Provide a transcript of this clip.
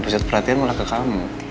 pesat perhatian mulai ke kamu